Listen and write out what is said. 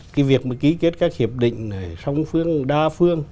cái việc mà ký kết các hiệp định song phương đa phương